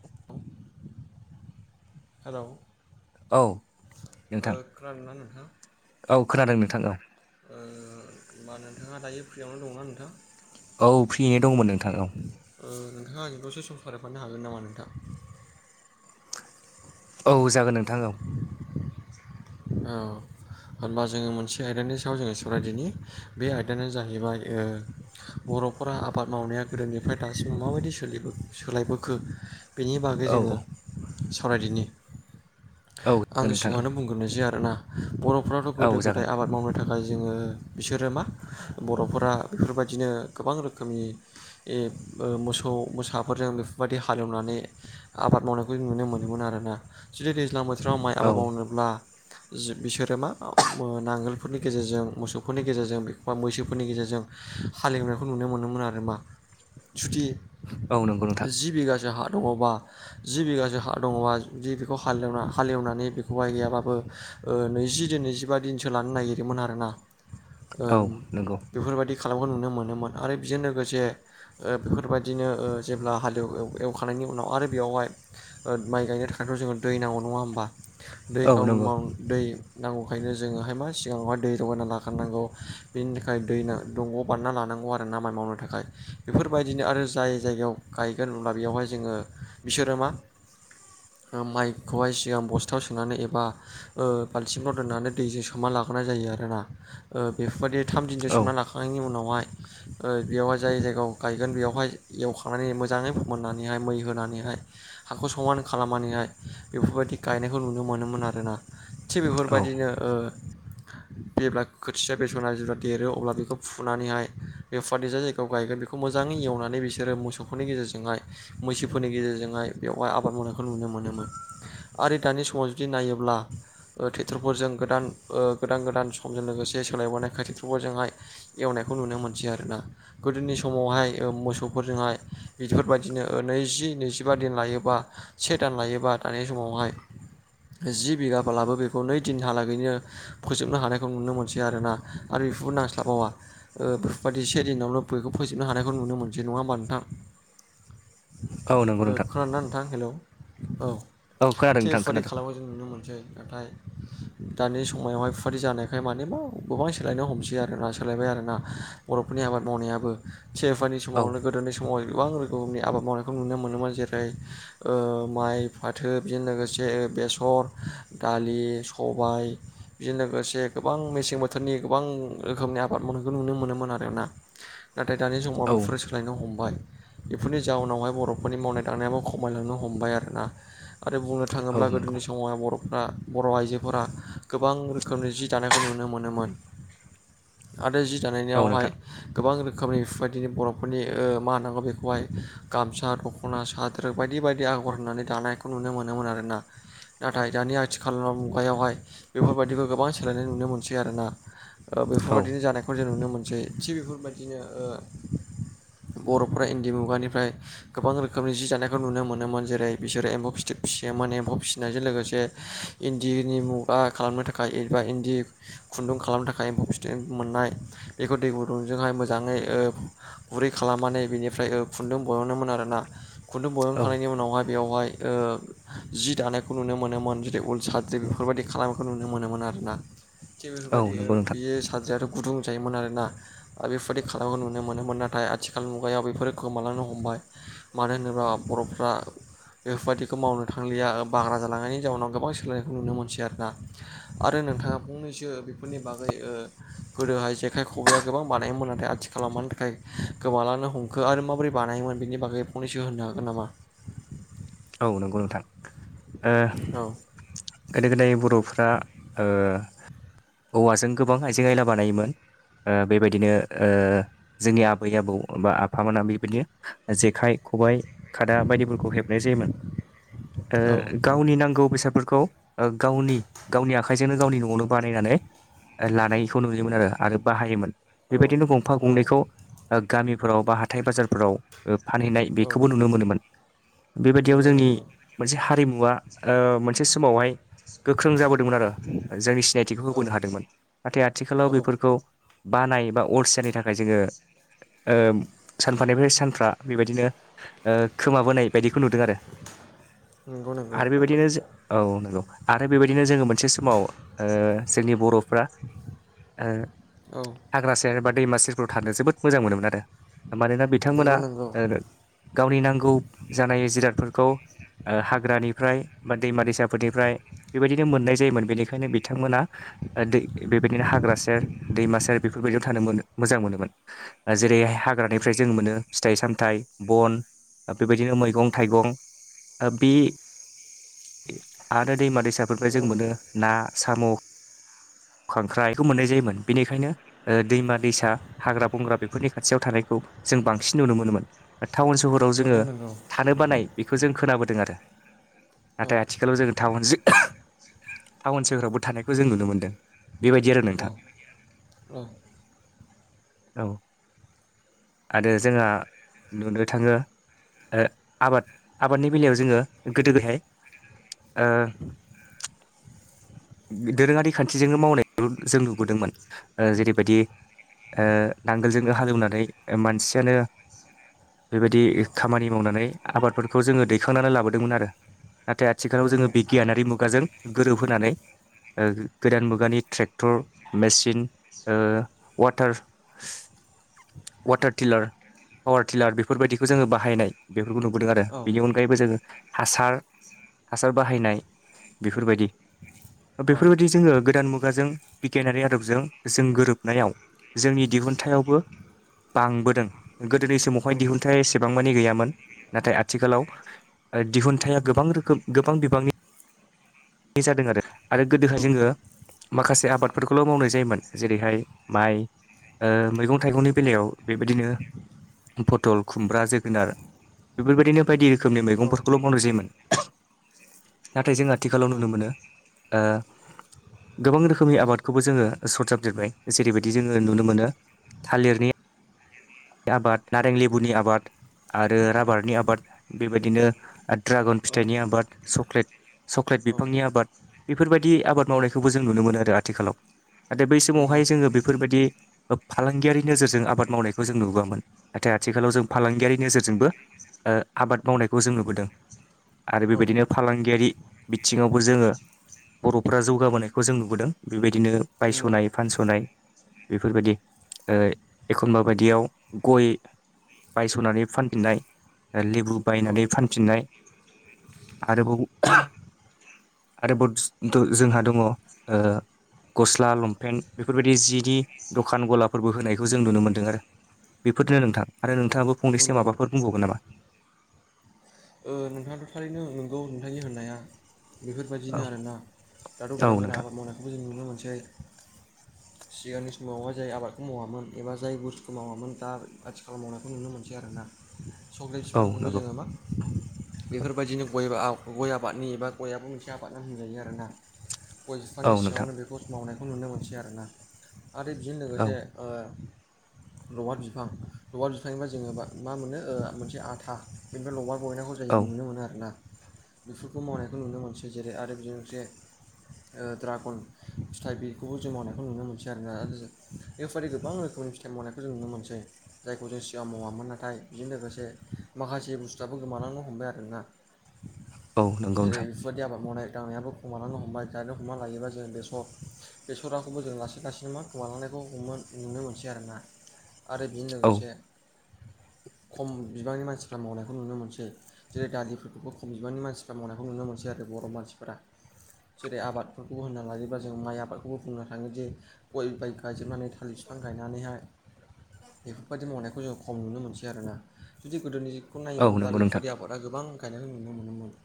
[inaudible] Hello औ नोंथां खोनादों ना नोंथां औ खोनादों नोंथां औ ओ होमबा नोंथाङा दायो फ्रियावनो दंना नोंथां औ फ्रियैनो दंमोन नोंथां औ ओ नोंथाङा आंजों दसे सम सावरायफानो हागोन नामा नोंथां। औ जागोन नोंथां औ औ होनब्ला जोंङो मोनसे आयदानि सायाव जोंङो सोवरायदिनि बे आयदायानो जाहैबाय ए बर' फोरा आबाद मावनाया गोदोनिफ्राय दासिमाव माबायदि सोलि सोलायबोखो बेनि बागै औ जोंङो सावरायदिनि औ जागोन आंनि नोंथां औ सिगाङावनो बुंग्रोनोसै आ बर'फ्राथ' गोदो औ जागोन गोदाय आ बाद मावनो थाखाय जोंङो बिसोरो मा बर'फोरा बेफोरबायदिनो गोबां रोखोमनि ए मोसौ मोसाफोरजों बेफोरबायदि हालेवनानै आबाद मावनाय बे नुनो मोनोमोन आरोना जुदि दैज्लां बोथोराव माइ औ आबाद मावनोब्ला जि बिसोरो मा नांगोलफोरनि गेजेरजों मोसौफोरनि गेजेरजों बा मैसोफोरनि गेजेरजों हालेवनायखौ नुनो मोनोमोन आरो मा सुथि औ नंगौ नोंथां जि बिगासो हा दङबा जि बिगासो हा दङबा जुदि बेखौ हालेवना हालेवनानै बेखौहाय गैयाबाबो ओ नैजि दिन नैजिबा दिनसो लानो नागिरोमोन आरोना औ ओम नंगौ बेफोरबायदि खालामनायखो नुनो मोनोमोन आरो बेजों लोगोसे ओ बेफोरबायदिनो ओ जेब्ला हालेव एवखांनायनि उनाव आरो बेवहाय माइ गायनो थाखायाथ' जोंङो दै नांगौ नङा होमबा दै औ गाव नंगौ माव दै नांगौखायनो जोंङोहाय मा सिगाङावहाय दै जगायना लाखानांगौ बेनि थाखाय दैमा दंग' बानायना लानांगौ आरोना आबाद मावनो थाखाय बेफोरबायदिनो आरो जाय जायगायाव गायगोन होनब्ला बेयावहाय जोंङो बिसोरो मा माइखौहाय सिगां बस्थायाव सोनानै एबा ओ बालथिंफ्राव दोननानै दैजों सोमना लागोनाय जायो आरोना बेफोरबायदि थाम दिनजों औ सोमना ला खांनायनि उनावहाय ओ बेवहाय जाय जायगायाव गायगोन बेवहाय एवखांनानै मोजाङै फोमोननानैहाय मै होनानैहाय हाखौ समान खालामनानैहाय बेफोरबायदि गायनायखौ नुनो मोनोमोन आरोना। थिग औ बेफोरबायदिनो ओ जेब्ला खोथिया बेसना जेब्ला देरो अब्ला बेखौ फुनानैहाय बे फोर बादि जायगायाव गायगोन बेखौ मोजाङै एवनानै बिसोरो मोसौफोरनि गेजेरजोंहाय मैसोफोरनि गेजेरजोंहाय बेवहाय आबाद मावनायखौ नुनो मोनोमोन। आरो दानि समाव जुदि नायोब्ला। ओ ट्रेक्टरफोरजों गोदान ओ गोदान गोदान समजों लोगोसे सोलायबोनायखाय ट्रेक्टरफोरजोंहाय। एवनायखौ नुनो मोनसै आरोना गोदोनि समावहाय मोसौफोरजोंहाय बेफोरबायदिनो नैजि नैजिबा दिन लायोबा से दान लायोबा दानि समावहाय जि बिगाबलाबो बेखौ नै दिनहालागैनो। फोजोबनो हानायखौ नुनो मोनसै आरोना। आरो बेखौबो नांस्लाबावा। ओ बेफोर बादि से दिनावनो बेखौ फोजोबनो हानायखौ नुनो मोनसै नङा होमबा नोंथां? औ नंगौ ओ नोंथां खोनाना नोंथां हेलौ' औ औ खोनादों थिग नोंथां बेफोरबायदि खोनादों खालानायमो जों नुनो मोनसै। नाथाय। दानि समायावहाय बेफोरबादि जानायखाय माने बबावबा बबावबा सोलायनो हमसै आरोना सोलायबाय आरोना। बर'फोरनि आबाद मावनायाबो से एफानि औ समावनो गोदोनि समाव गोबां रोखोमनि आबाद मावनायखौ नुनो मोनोमोन जेरै- ओ माइ फाथो बेजोंनो लोगोसे बेसर। दालि, सबाय बेजों लोगोसे गोबां मेसें बोथोरनि गोबां- रोखोमनि आबाद मावनायखौ नुनो मोनोमोन आरो ना। नाथाय दानि समाव औ बेफोर सोलायनो हमबाय। बेफोरनि जाउनावहाय बर'फोरनि मावनाय दांनायाबो खमायलांनो हमबाय। आरोना आरो बुंनो औ थाङोब्ला नंगौ गोदोनि समाव बर'फोरा - फ्रा बर' आइजोफोरा गोबां रोखोमनि जि दानायखौ नुनो मोनोमोन। आरो जि दानाय औ नियावहाय नोंथां गोबां रोखोमनि बेफोरबायदिनो बर'फोरनि मा होनांगौ बेखौहाय गामसा, दख'ना खना सादोर बायदि बायदि आगर होननानै दानायखौ नुनो मोनोमोन आरो ना। नाथाय दानि आथिखाल मुगायावहाय बेफोरबायदिखौ गोबां खेलेनाय नुनो मोनसै आरो ना। औ बेफोरबायदिनो जानाय जों नुनो मोनसै थिग बेफोरबायदिनोओ बर'फोरा इन्दि मुगानिफ्राय। गोबां रोखोमनि जि जानायखौ नुनो मोनोमोन जेरै- बिसोरो एम्फौ फिथोब फिसियोमोन एम्फौ फिसिनायजों लोगोसे- इन्दिनि मुगा खालामनो थाखाय एबा इन्दि खुन्दुं खालामनो थाखाय एम्फौ फिथोबनिफाय मोननाय बेखौ दै गुदुंजोंहाय मोजाङै ओ गुरै खालामनानै बिनिफ्राय ओ खुन्दुं बहनोमोन आरो ना। खुन्दुं बहुन औ खांनायनि उनावहाय बेयावहाय जि दानायखौ नुनो मोनोमोन। जेरै- साद्रि बेफोरबायदि खालामनायखौ नुनो मोनोमोन आरो ना थिग औ बेफोरबायदि नंगौ नोंथां बेयो साद्रियाथ' [unintelligible] गुदुं जायोमोन आरो ना। आरो बेफोरबायदि खालामनायखौ नुनो मोनोमोन नाथाय आथिखाल मुगायाव बेफोरो गोमालांनो हमबाय। मानो होनोब्ला बर'फ्रा बेफोरबायदिखौ मावनो थांलिया बाग्रा जालांनायनि जाउनाव गोबां सोलायनायखौ नुनो मोनसै आरो ना आरो नोंथाङा फंनैसो बेफोरनि बागैओ गोदोहाय जेखाइ खबाया गोबां बानायोमोन नाथाय आथिखाल मानि थाखाय गोमालांनो हमखो आरो माबोरै बानायोमोन बेनि बागै फंनैसो होननो हागोन नामा? औ नंगौ नोंथांओ गोदो गोदाय बर'फ्रा ओ औवाजों गोबां आइजें आयला बानायोमोन। ओ बेबायदिनो ओ जोंनि आबै आबौ बा आफामोनहा बेबायदिनो जेखाइ खबाइ खादा बायदिफोरखौ हेब नाय जायोमोन। गावनि नांगौ बेसादफोरखौ गावनि गावनि आखाइजोंनो गावनि न'आवनो बानायनानै लानायखौ नुयोमोन आरो आरो बाहायोमोन। बेबायदिनो गंफा- गंनैखौ गामि फोराव बा हाथाय बाजारफोराव फानहैनाय बेखौबो नुनो मोनोमोन। बेबायदियाव जोंनि मोनसे हारिमुवा ओ मोनसे समावहाय गोख्रों जाबोदोंमोन आरो जोंनि सिनायथिखौ औ होबोनो हादोंमोन नाथाय आथिखालाव औ बेफोरखौ खौ बानाय बा अलसियानि थाखाय जोङोओ सानफानिफ्राय सानफ्रा बेबायदिनो ओ खोमाबोनाय बायदिखौ नुदों आरो नंगौ नंगौ आरो बेबायदिनो औ नंगौ आरो बेबायदिनो जोङो मोनसे समाव ओ जोंनि बर'फ्रा ओ औ हाग्रा सेर बा दैमा सेरफोराव थानो जोबोद मोजां मोनोमोन आरो मानोना बिथांमोना नंगौ नंगौ औ नंगौ गावनि नांगौ जानाय जिरादफोरखौ ओ हाग्रानिफ्राय बा दैमा दैसाफोरनिफ्राय बेबायदिनो मोननाय जायोमोन बेनिखायनो बिथांमोना दै बेबायदिनो हाग्रा सेर दैमा सेर बेफोरबायदियाव थानो मोनो मोजां मोनोमोन जेरै हाय हाग्रानिफ्राय जों मोनो फिथाइ सामथाइ बन बेबायदि दिनो मैगं थाइगं ओ बि आरो दैमा दैसाफोरनिफ्राय जों नंगौ मोनो ना साम' खांख्राइ खौ मोननाय जायोमोन बेनिखायनो ओ दैमा दैसा हाग्रा बंग्रा बेफोरनि खाथियाव थानायखौ जों बांसिन नुनो मोनोमोन ओ टाउन सोहराव जोङो नंगौ नंगौ नंगौ थानो बानाय बेखौ जों खोनाबोदों आरो औ नाथाय आथिखालाव जों थाउन टाउन सोहेरावबो थानायखौ जों नुनो मोनदों बेबायदि आरो नोंथां औ औ औ आरो जोङा नुनो थाङो ओ आबाद आबादनि बेलायाव जोङो गोदो बेहाय ओ दोरोङारि खान्थिजोंनो मावनायखौ जों नुबोदोंमोन ओ जेरैबायदि ओ नांगोलजोंनो हालेवनानै मानसियानो बेबायदि खामानि मावनानै आबादफोरखौ जोङो दैखांनानै लाबोदोंमोन आरो नाथाय आथिखालाव जोङो नंगौ बिगियानारि मुगाजों गोरोबहोनानै ओ गोदान मुगानि ट्रेक्टर मेसिन ओ वाटार वाटारटिलार पावार टिलार बेफोरबायदिखौ जोङो बा हायनाय बेफोरखौ नुबोदों आरो औ बेनि अनगायैबो जोङो हासार हासार बाहायनाय बेफोरबायदि औ बेफोरबायदि जोङो गोदान मुगाजों बिगियानारि आदबजों जों गोरोबनायाव जोंनि दिहुनथायावबो बांबोदों गोदोनि समावहाय दिहुनथाय इसे बांमानि गैयामोन नाथाय आथिखालाव ओ दिहुथाया गोबां रोखोम गोबां बिबांनि नि जादों आरो आरो गोदोहाय औ औ जोङो माखासे आबादफोरखौल' मावनाय जायोमोन जेरैहाय माइ ओ मैगं थाइगंनि बेलायाव बेबायदिनो पटल खुमब्रा जोगोनार बेफोरबायदिनो बायदि रोखोमनि औ मैगंफोरखौल' मावनाय जायोमोन नाथाय जों आथिखालाव नुनो मोनो ओ गोबां रोखोमनि आबादखौबो जोङो सरजाबदेरबाय जेरैबायदि जोङो नुनो मोनो थालिरनि आबाद नारें लेबुनि आबाद आरो राबारनि आबाद बेबायदिनो ड्रागन फिथाइनि आबाद चक्लेट चक्लेट बिफांनि आबाद बेफोरबायदि आबाद मावनायखौबो जों नुनो मोनो आरो आथिखालाव नाथाय बै नंगौ समावहाय जोङो बेफोरबायदि फालांगियारि नोजोरजों आबाद मावनायखौ जों नुबोआमोन नाथाय आथिखालाव जों औ फालांगियारि नोजोरजोंबो ओ आबाद मावनायखौ जों नुबोदों आरो बेबायदिनो फालांगियारि बिथिङावबो जोङो बर'फोरा जौगाबोनायखौ जों नुबोदों बेबायदिनो नंगौ बायस'नाय फानस'नाय बेफोरबायदि ओ एखनबा बायदियाव गय बायस'नानै फानफिननाय लेबु औ बायनानै फानफिननाय आरोबाव आरो जोंहा दङ ओ गस्ला लंपेन्ट बेफोरबायदि जिनि दखान गलाफोरबो होनायखौ जों नुनो मोनदों आरो बेफोरनो नोंथां आरो नोंथाङाबो नंगौ फंनैसो नंगौ माबाफोर बुंबावगोन नामा ओ नोंथाङाथ' थारैनो नोंगौ नोंथाय होननाया औ बेफोरबायदिनो आरोना दाथ' औ गोदान गोनां नोंथां आबाद मावनायखौबो जों नुनो मोनसै। सिगांनि समावहाय जाय आबादखौ मावामोन एबा जाय बुस्थुखौ मावामोन दा आथिखाल मावनायखौ नुनो मोनसै आरोना। [inaudible] सक्लेट औ बिफांखौबो नंगौ जोङो मा बेफोरबायदिनो गय गय आबादनि एबा गय आबो मोनसे आबादा होनजायो आरोना गय औ बिफांनि नोंथां सिङावनो बेखौ मावनायखौ नुनो मोनसै आरोना। आरो बिजों औ लोगोसे ओ लबार बिफां लबार बिफांनिबा जोङोबा मा मोनो मोनसे ओ आथा बेनिफ्राय लबार बहनायखौ जाय औ नुनो मोनो आरो ना बेफोरखौ मावनायखौ नुनो मोनसै। जेरै आरो बिदि मोनसे ओ ड्रागन फिथाइ बेखौबो जों मावनायखौ नुनो मोनसै आरोना बेफोर गोबां रोखोमनि फिथाइ मावनायखौ जों नुनो मोनसै। जायखौ जों सिगां मावामोन नाथाय बेजों लोगोसे माखासे बुस्थुआबो गोमालांनो हमबाय आरो ना औ नंगौ जेरै नोंथां बेबायदि आबाद मावनाय दांनायाबो खम लांनो हमबाय जानो हमना लायोबा जों बेसर बेसराखौबो जों लासै लासैनो मा खमालांनायखौ हम नुनो मोनसै आरोना आरो बेजों औ लोगोसे खम बिबांनि मानसिफ्रा मावनायखौ नुनो मोनसै। जेरै दालिफोरखौबो खम बिबाननि मानसिफ्रा मावनायखौ नुनो मोनसै आरो बर' मानसिफोरा। जेरै आबादफोरखौ होनना लायोब्ला जों माइ आबादखौबो बुंनो थाङोदि गय बाय गायजोबनानै थालिर बिफां गायनानैहाय बेफोरबायदि मावनायखौ जों खम नुनो मोनसै आरोना जुदि गोदोनि बेखौ औ नायोमोनब्ला नंगौ नोंथां बेफोरबायदि आबादा गोबां गायनायखौ नुनो मोनोमोन।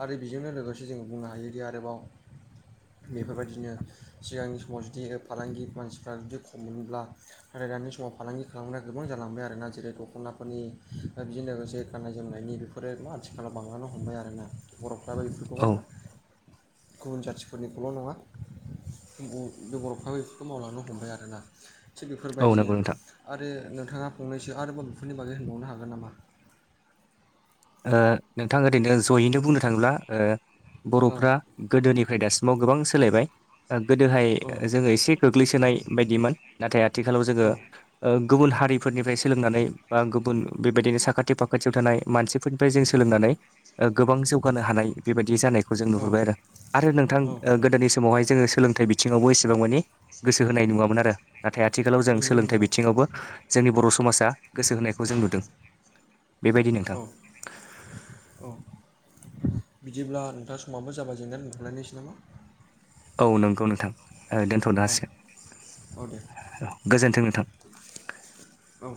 आरो बेजोंनो लोगोसे जों बुंनो हायोदि आरोबाव बेफोरबायदिनो सिगांनि समाव जुदि फालांगि मानसिफ्रा जुदि खम मोनब्ला नाथाय दानि समाव फालांगि खालामनाया गोबां जालांबाय आरोना जेरै दख'नाफोरनि बेदिजों लोगोसे गाननाय जोमनायनि। बेफोरो मा आथिखालाव बांलानो हमबाय आरोना बर'फ्राबो बेफोरखौहाय औ मा गुबुन जाथिफोरनिखौल' नङा। जों बर'फ्राबो बेफोरखौ मावलांनो हमबाय आरोना। थिग औ बेफोरबायदिनो नंगौ नोंथां आरो नोंथाङा फंनैसो आरोबाव बेफोरनि बागै होनबावनो हागोन नामा? ओ नोंथां ओरैनो जयैनो बुंनो थाङोब्ला ओ औ बर'फ्रा गोदोनिफ्राय दासिमाव गोबां सोलायबाय गोदोहाय औ जोङो एसे गोग्लैसोनाय बायदिमोन नाथाय आथिखालाव जोङो औ ओ गुबुन हारि फोरनिफ्राय सोलोंनानै बा गुबुन बेबायदिनो साखाथि फाखाथियाव थानाय मानसिफोरनिफ्राय जों सोलोंनानै। गोबां जौगानो हानाय बेबायदि जानायखौ जों नुहुरबाय आरो आरो नोंथां औ गोदोनि समावहाय जोङो सोलोंथाइ बिथिङावबो एसेबां मानि गोसो होनाय नुवामोन आरो। नाथाय आथिखालाव जों नंगौ सोलोंथाइ नंगौ बिथिङावबो जोंनि बर' समाजा गोसो होनायखौ जों नुदों। बेबायदि नोंथां। औ औ बिदिब्ला नोंथां समाबो जाबाय जोंना दोनथ'लायनोसै नामा? औ नंगौ नोंथां दोनथ'नो औ औ दे हासिगोन गोजोनथों नोंथां। औ।